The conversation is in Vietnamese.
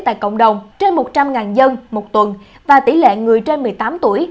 tại cộng đồng trên một trăm linh dân một tuần và tỷ lệ người trên một mươi tám tuổi